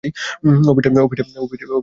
ওহ, Peter, হেই।